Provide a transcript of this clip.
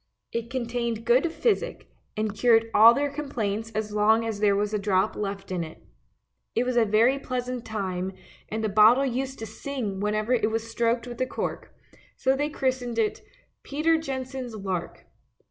It contained good physic, and cured all their complaints as long as there was a drop left in it. It was a very pleasant time, and the bottle used to sing whenever it was stroked with a cork, so they christened it " Peter Jensen's lark."